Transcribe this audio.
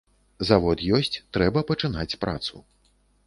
Завод ёсць, трэба пачынаць працу.